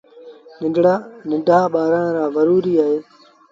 ننڍآن ٻآرآن لآ زروريٚ اهي۔